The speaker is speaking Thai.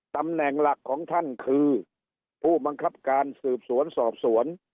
ตำแหน่งหลักของท่านคือผู้บังคับการสืบสวนสอบสวน